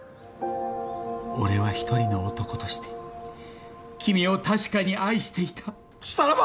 俺は一人の男として君を確かに愛していたさらば！